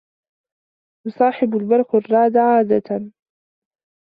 يصاحب البرق الرعد عادة.